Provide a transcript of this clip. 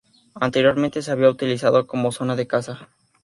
Anteriormente se había utilizado como zona de Caza.